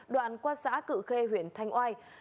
đoạn qua xã cự khê huyện thanh oai